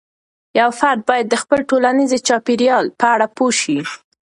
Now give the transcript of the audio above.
یو فرد باید د خپل ټولنيزې چاپیریال په اړه پوه سي.